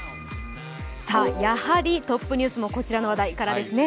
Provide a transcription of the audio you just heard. やはりトップニュースもこちらの話題からですね。